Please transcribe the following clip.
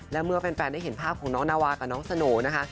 และเมื่อแฟนได้เห็นภาพของน้องนาวากับน้องสโหน่นะคะ